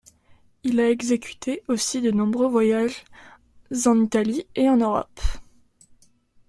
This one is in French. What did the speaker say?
Il a exécuté aussi de nombreux voyages en Italie et en Europe.